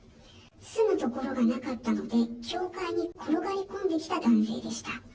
住む所がなかったので、教会に転がり込んできた男性でした。